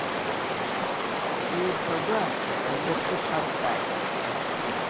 Еихагәа, аӡыршы ҭартәааит!